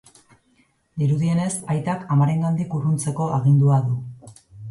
Dirudienez, aitak amarengandik urruntzeko agindua du.